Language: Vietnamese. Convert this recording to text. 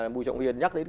bùi trọng hiền nhắc đến